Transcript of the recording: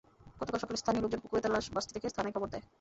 গতকাল সকালে স্থানীয় লোকজন পুকুরে তাঁর লাশ ভাসতে দেখে থানায় খবর দেয়।